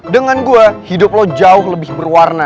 dengan gua hidup lo jauh lebih berwarna